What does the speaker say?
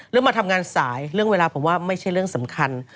มาทำงานสายเรื่องเวลาผมว่าไม่ใช่เรื่องสำคัญ